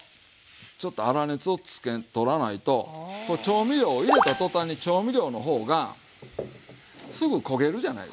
ちょっと粗熱を取らないと調味料を入れた途端に調味料の方がすぐ焦げるじゃないですか。